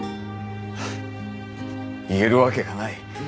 言えるわけがない。